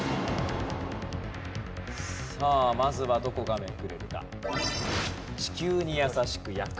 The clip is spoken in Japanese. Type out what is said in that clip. さあまずはどこがめくれるか。